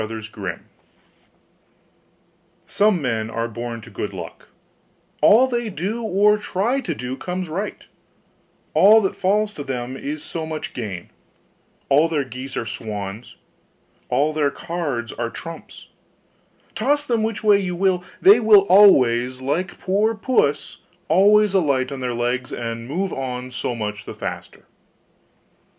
HANS IN LUCK Some men are born to good luck: all they do or try to do comes right all that falls to them is so much gain all their geese are swans all their cards are trumps toss them which way you will, they will always, like poor puss, alight upon their legs, and only move on so much the faster.